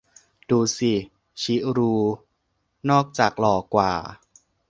ดูสิ ชิรูด์ นอกจากหล่อกว่า